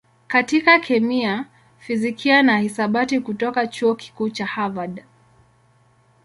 katika kemia, fizikia na hisabati kutoka Chuo Kikuu cha Harvard.